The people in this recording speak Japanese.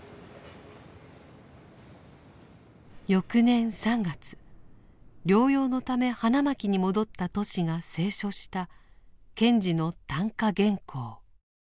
翌年３月療養のため花巻に戻ったトシが清書した賢治の短歌原稿。